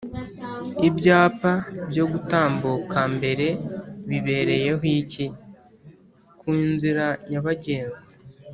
Ibyapa byo gutambuka mbere bibereyeho iki?ku inzira nyabagendwa